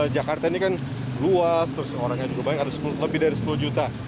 jakarta ini kan luas terus orangnya juga banyak harus lebih dari sepuluh juta